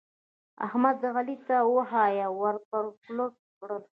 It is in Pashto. احمد؛ علي ته واښه ور پر خوله کړل.